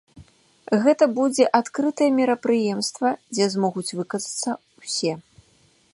Гэта будзе адкрытае мерапрыемства, дзе змогуць выказацца ўсе.